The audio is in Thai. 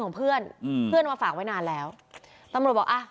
ของเพื่อนอืมเพื่อนมาฝากไว้นานแล้วตำรวจบอกอ่ะ